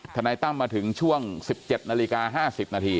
ทนายตั้มมาถึงช่วง๑๗นาฬิกา๕๐นาที